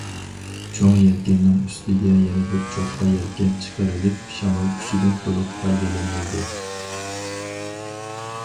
چوڭ يەلكەننىڭ ئۈستىگە يەنە بىر چوققا يەلكەن چىقىرىلىپ شامال كۈچىدىن تولۇق پايدىلىنىلدى.